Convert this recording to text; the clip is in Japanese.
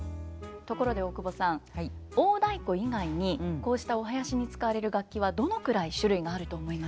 ところで大久保さん大太鼓以外にこうしたお囃子に使われる楽器はどのくらい種類があると思いますか？